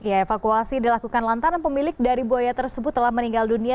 ya evakuasi dilakukan lantaran pemilik dari buaya tersebut telah meninggal dunia